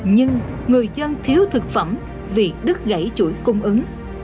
nhưng người dân thiếu thực phẩm vì đứt gãy chuỗi cung ứng